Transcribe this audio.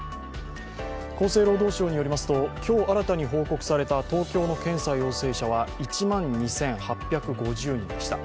厚生労働省によりますと今日新に報告された東京の検査陽性者は１万２８５０人でした。